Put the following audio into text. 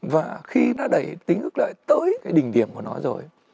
và khi nó đẩy tính ước lệ tới cái đỉnh điểm của nó rồi